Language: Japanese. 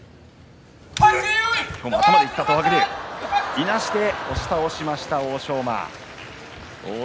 いなして押し倒しました